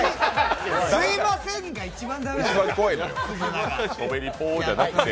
すみませんが一番駄目でしょう。